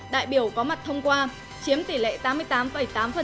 đại biểu có mặt thông qua chiếm tỷ lệ tám mươi tám tám